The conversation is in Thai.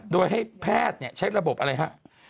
โดยให้แพทย์ใช้ระบบอะไรฮะ